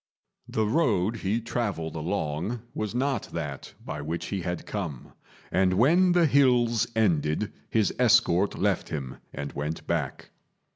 The road he travelled along was not that by which he had come; and when the hills ended, his escort left him and went back.